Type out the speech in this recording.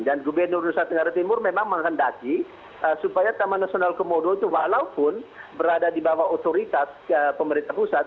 dan gubernur nusa tenggara timur memang menghendaki supaya taman nasional komodo itu walaupun berada di bawah otoritas pemerintah pusat